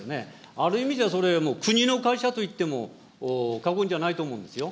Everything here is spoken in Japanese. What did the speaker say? ある意味じゃそれ、国の会社といっても過言じゃないと思うんですよ。